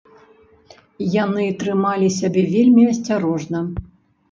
Яны трымалі сябе вельмі асцярожна.